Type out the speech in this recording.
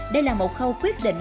đây là một khâu quyết định